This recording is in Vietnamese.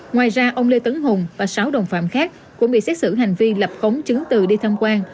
ngoài ra ông lê tấn hùng và sáu đồng phạm khác cũng bị xét xử hành vi lập khống chứng từ đi tham quan